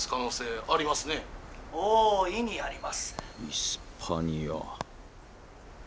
イスパニア。